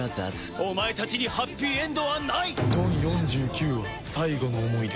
お前たちにハッピーエンドはない！